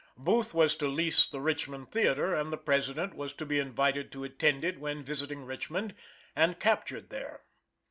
Booth was to lease the Richmond theater and the President was to be invited to attend it when visiting Richmond, and captured there.